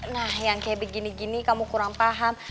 nah yang kayak begini gini kamu kurang paham